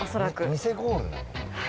ニセゴール。